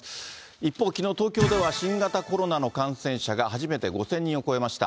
一方、きのう、東京では新型コロナの感染者が初めて５０００人を超えました。